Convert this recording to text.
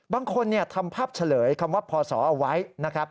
บางคนทำภาพเฉลยคำว่าพอสอเอาไว้นะครับ